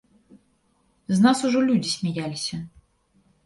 З нас ужо людзі смяяліся.